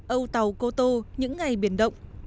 âu tàu cô tô những ngày biển động